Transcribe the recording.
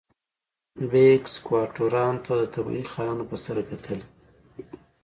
بیګ سکواټورانو ته د طبیعي خانانو په سترګه کتل.